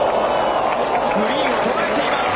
グリーンを捉えています！